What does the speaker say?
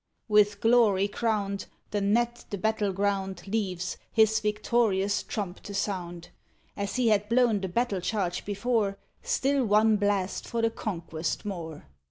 With glory crowned, the Gnat the battle ground Leaves, his victorious trump to sound, As he had blown the battle charge before, Still one blast for the conquest more.